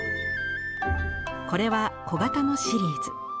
これは小形のシリーズ。